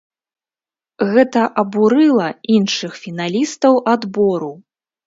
Гэта абурыла іншых фіналістаў адбору.